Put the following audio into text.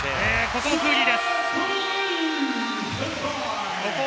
ここもクーリーです。